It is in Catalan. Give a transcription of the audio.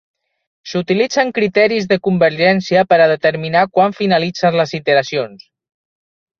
S'utilitzen criteris de convergència per a determinar quan finalitzen les iteracions.